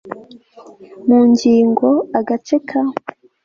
mu ngingo , agace ka